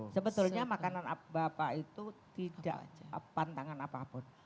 sebetulnya makanan bapak itu tidak pantangan apapun